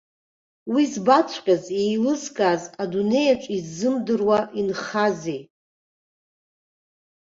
Уи збаҵәҟьаз, еилызкааз адунеиаҿ изымдыруа инхазеи?